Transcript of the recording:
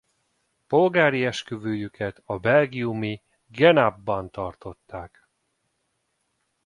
Polgári esküvőjüket a belgiumi Genappe-ban tartották.